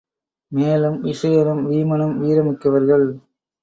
மேலும் விசயனும் வீமனும் வீரம் மிக்கவர்கள்.